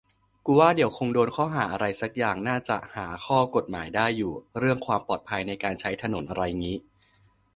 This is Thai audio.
กูว่าเดี๋ยวคงโดนข้อหาอะไรสักอย่าง น่าจะหาข้อกฎหมายได้อยู่ เรื่องความปลอดภัยในการใช้ถนนอะไรงี้